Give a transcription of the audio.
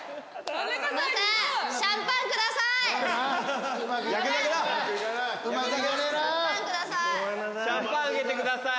シャンパンあげてください。